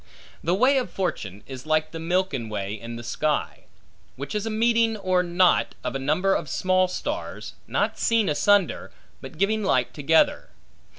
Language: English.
The way of fortune, is like the Milken Way in the sky; which is a meeting or knot of a number of small stars; not seen asunder, but giving light together.